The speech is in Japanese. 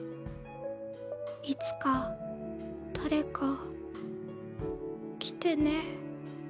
いつか誰か来てね。